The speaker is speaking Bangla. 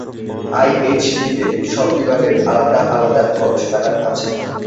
আই, এইচ, টি তে সব বিভাগের আলাদা আলাদা গবেষণাগার আছে।